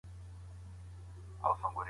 پنبه پاکول د خلکو لپاره لویه دنده وه.